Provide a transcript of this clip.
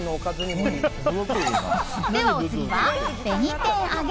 では、お次は紅天揚げ。